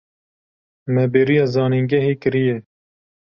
Me bêriya zanîngehê kiriye.